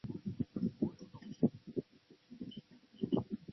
同时法兰西的莫罗和喔戌将发动对日耳曼新的入侵战役。